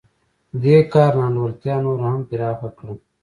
دې کار نا انډولتیا نوره هم پراخه کړه